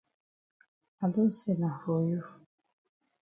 I don sen am for you.